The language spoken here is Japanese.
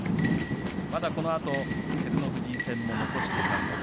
まだこのあと照ノ富士戦も残しています。